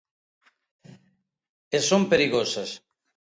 E son perigosas.